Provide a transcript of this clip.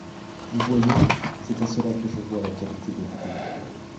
Vous voyez, c’est à cela que je vois la qualité de l’idée.